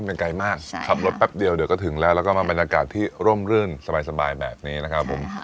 มันไกลมากขับรถแป๊บเดียวเดี๋ยวก็ถึงแล้วแล้วก็มาบรรยากาศที่ร่มรื่นสบายแบบนี้นะครับผม